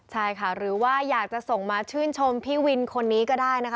ใช่ค่ะหรือว่าอยากจะส่งมาชื่นชมพี่วินคนนี้ก็ได้นะคะ